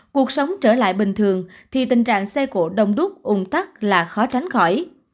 cuộc sống trở lại bình thường thì tình trạng xe cộ đông đúc ung tắt là khó tránh khỏi